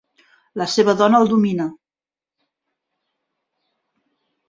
La seva dona el domina.